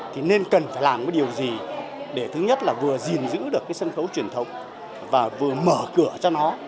thì nên cần phải làm cái điều gì để thứ nhất là vừa gìn giữ được cái sân khấu truyền thống và vừa mở cửa cho nó